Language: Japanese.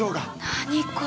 何これ。